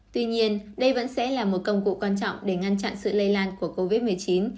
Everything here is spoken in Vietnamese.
tuy nhiên đây vẫn sẽ là một công cụ quan trọng để ngăn chặn sự lây lan của covid một mươi chín